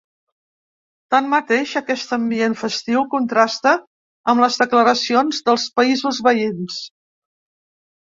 Tanmateix, aquest ambient festiu, contrasta amb les declaracions dels països veïns.